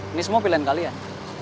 ini semua pilihan kalian